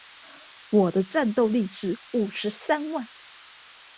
我的戰鬥力是五十三萬